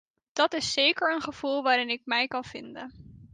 Dat is zeker een gevoel waarin ik mij kan vinden.